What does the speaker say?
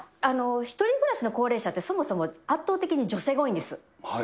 １人暮らしの高齢者って、そもそも圧倒的に女性が多いんです。